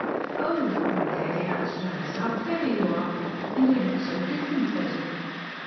"Oh!" cried Lady Anstruthers, "how clever you are! And you look so different, Betty."